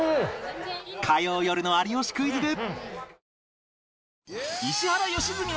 火曜よるの『有吉クイズ』で